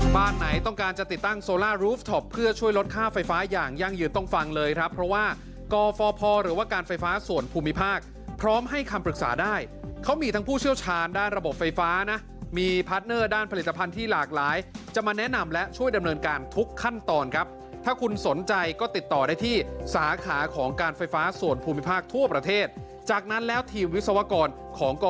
บ้านไหนต้องการจะติดตั้งโซลารูฟท็อปเพื่อช่วยลดค่าไฟฟ้าอย่างยังยืนต้องฟังเลยครับเพราะว่ากรฟพหรือว่าการไฟฟ้าส่วนภูมิภาคพร้อมให้คำปรึกษาได้เขามีทั้งผู้เชี่ยวชาญด้านระบบไฟฟ้านะมีพาร์ทเนอร์ด้านผลิตภัณฑ์ที่หลากหลายจะมาแนะนำและช่วยดำเนินการทุกขั้นตอนครับถ้าคุณ